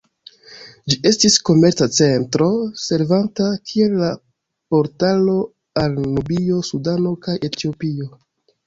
Ĝi estis komerca centro, servanta kiel la portalo al Nubio, Sudano kaj Etiopio.